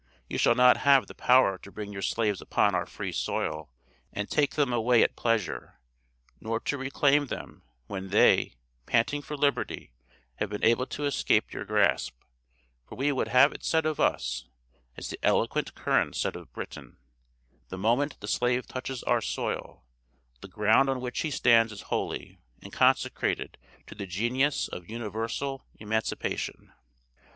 You shall not have the power to bring your slaves upon our free soil, and take them away at pleasure; nor to reclaim them, when they, panting for liberty, have been able to escape your grasp; for we would have it said of us, as the eloquent Curran said of Britain, the moment the slave touches our soil, 'The ground on which he stands is holy, and consecrated to the Genius of UNIVERSAL EMANCIPATION.'